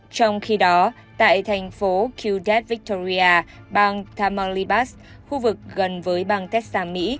trong khi đó tại thành phố ciudad victoria bang tamaulipas khu vực gần với bang texas mỹ